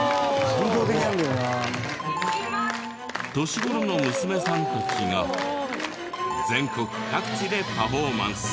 年頃の娘さんたちが全国各地でパフォーマンス。